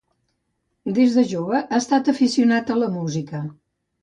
Des de jove ha estat aficionat a la música.